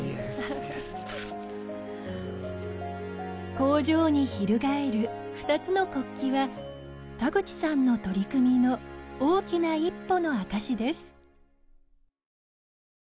工場に翻る２つの国旗は田口さんの取り組みの大きな一歩の証しです。